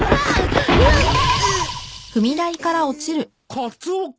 カツオ君。